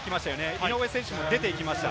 井上選手も出て行きました。